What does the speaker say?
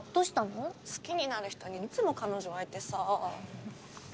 好きになる人にいつも彼女がいてさ。